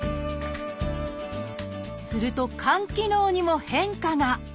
すると肝機能にも変化が。